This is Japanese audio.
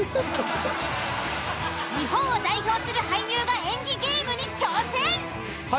日本を代表する俳優が演技ゲームに挑戦！